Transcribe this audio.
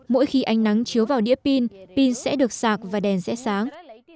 mỗi khi ánh nắng chiếu vào đĩa pin pin sẽ được sạc và đèn dễ sáng